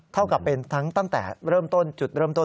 เท่ากับเป็นทั้งตั้งแต่เริ่มต้นจุดเริ่มต้น